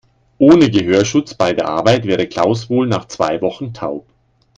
Ohne Gehörschutz bei der Arbeit wäre Klaus wohl nach zwei Wochen taub.